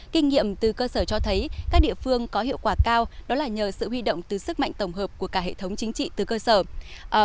kinh nghiệm từ cơ sở cho thấy các địa phương có hiệu quả cao đó là nhờ sự huy động từ sức mạnh tổng hợp của cả hệ thống chính trị từ cơ sở